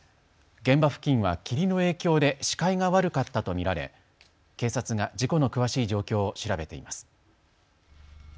現場付近は霧の影響で視界が悪かったと見られ警察が事故の詳しい状況を調べています。